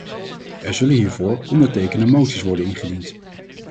Er zullen hierover ondertekende moties worden ingediend.